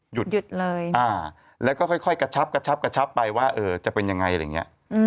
หยุดเลยแล้วก็ค่อยกระชับกระชับกระชับไปว่าจะเป็นยังไงอะไรอย่างนี้